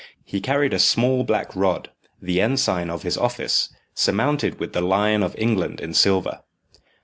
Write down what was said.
He carried a small black rod, the ensign of his office, surmounted with the lion of England in silver.